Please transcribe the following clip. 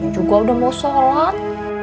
juga udah mau sholat